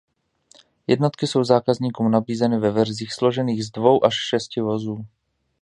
Jednotky jsou zákazníkům nabízeny ve verzích složených z dvou až šesti vozů.